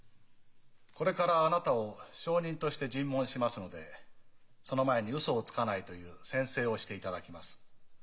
これからあなたを証人として尋問しますのでその前にウソをつかないという宣誓をしていただきます。